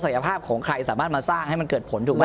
ภาพของใครสามารถมาสร้างให้มันเกิดผลถูกไหม